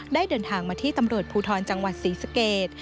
ได้เดินทางมาตามรวดภูทรจังหวัดศรีษะเกต